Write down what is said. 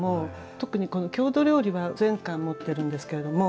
特にこの郷土料理は全巻持ってるんですけれども。